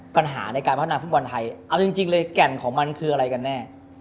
ปัญหาในการพัฒนาฟุตบอลไทยเอาจริงเลยแก่นของมันคืออะไรกันแน่